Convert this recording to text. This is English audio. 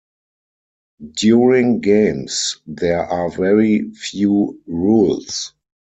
During games, there are very few rules.